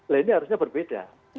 lainnya harusnya berbeda